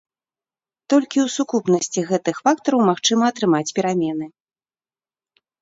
Толькі ў сукупнасці гэтых фактараў магчыма атрымаць перамены.